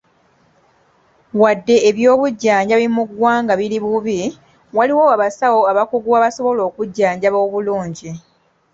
Wadde eby'obujjanjabi mu ggwanga biri bubi, waliwo abasawo abakugu abasobola okujjanjaba obulungi.